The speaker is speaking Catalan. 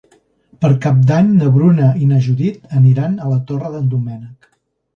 Per Cap d'Any na Bruna i na Judit aniran a la Torre d'en Doménec.